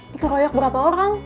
dikeroyok berapa orang